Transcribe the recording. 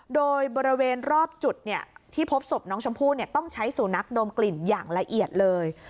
โดยบริเวณรอบจุดที่พบศพน้องชมพู่ต้องใช้สูนักดมกลิ่นอย่างละเอียดเลย